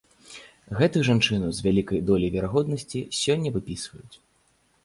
Гэтую жанчыну з вялікай доляй верагоднасці сёння выпісваюць.